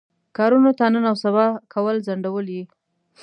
کارونو ته نن او سبا کول او ځنډول یې.